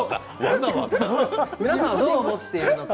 皆さんはどう思っているのか。